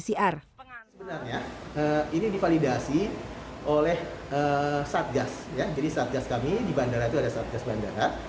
sebenarnya ini divalidasi oleh satgas ya jadi satgas kami di bandara itu ada satgas bandara